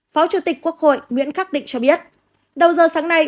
phó chủ tịch quốc hội nguyễn khắc định cho biết đầu giờ sáng nay